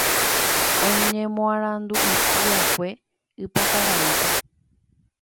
Oñemoarandu'ypy'akue Ypakaraípe.